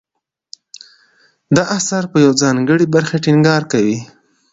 دا اثر په یوې ځانګړې برخې ټینګار کوي.